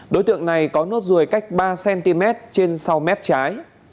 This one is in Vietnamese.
đối tượng này có nốt ruồi cách ba cm trên sau mép trái